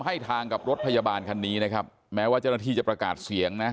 ให้ทางกับรถพยาบาลคันนี้นะครับแม้ว่าเจ้าหน้าที่จะประกาศเสียงนะ